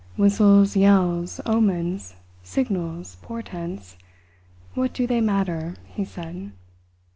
"Whistles, yells, omens, signals, portents what do they matter?" he said.